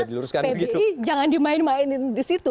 jadi artinya pbi jangan dimain mainin di situ